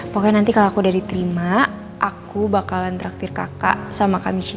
pokoknya nanti kalau aku udah diterima aku bakalan traktir kakak sama kami sih